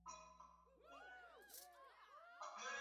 klabu larian kavarias wakalala nyumbani kwa vikapu tisini na tisa